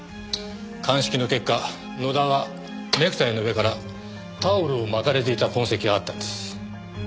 鑑識の結果野田はネクタイの上からタオルを巻かれていた痕跡があったんです。